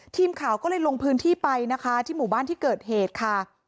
ทีมข่าวก็เลยลงพื้นที่ไปนะคะที่หมู่บ้านที่เกิดเหตุค่ะ